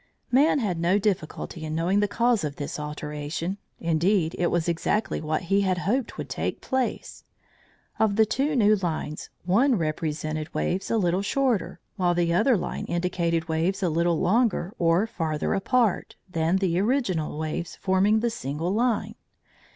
Man had no difficulty in knowing the cause of this alteration; indeed, it was exactly what he had hoped would take place. Of the two new lines, one represented waves a little shorter, while the other line indicated waves a little longer or farther apart, than the original waves forming the single line.